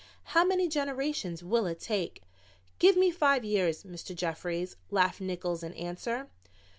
How many generations will it take?" "Give me five years, Mr. Jeffries," laughed Nickols in answer.